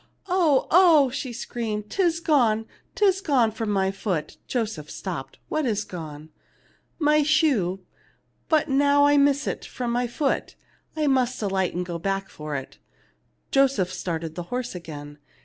"Oh ! oh !" she screamed, "'tis gone ; 'tis gone from my foot !" Joseph stopped. " What is gone ?"" My shoe ; but now I missed it from my foot. I must alight, and go back for it." Joseph started the horse again.